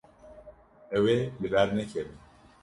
Ew ê li ber nekevin.